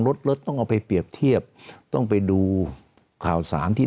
รถรถต้องเอาไปเปรียบเทียบต้องไปดูข่าวสารที่